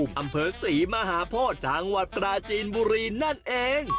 อำเภอศรีมหาโพธิจังหวัดปราจีนบุรีนั่นเอง